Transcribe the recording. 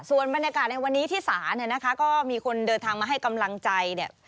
ส่วนบรรยากาศในวันนี้ที่สามีคนเดินทางมาให้กำลังใจ